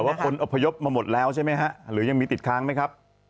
ว่าคนอพยพมาหมดแล้วใช่ไหมฮะหรือยังมีติดค้างไหมครับ